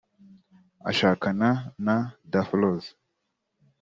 Ashakana na Daphrose